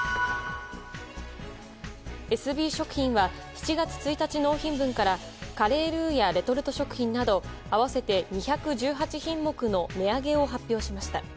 エスビー食品は７月１日納品分からカレールーやレトルト食品など合わせて２１８品目の値上げを発表しました。